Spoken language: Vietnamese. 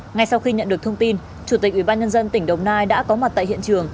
ngay sau khi nhận được thông tin chủ tịch ubnd tỉnh đồng nai đã có mặt tại hiện trường